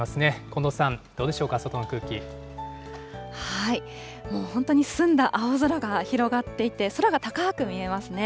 近藤さん、どうでしょうか、外のもう本当に澄んだ青空が広がっていて、空が高く見えますね。